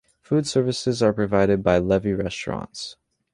Food services are provided by Levy Restaurants.